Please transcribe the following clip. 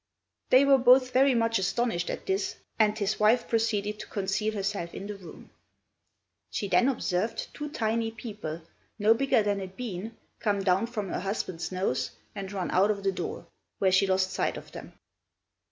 They were both very much astonished at this, and his wife proceeded to conceal herself in the room. She then observed two tiny people, no bigger than a bean, come down from her husband's nose and run out of the door, where she lost sight of them.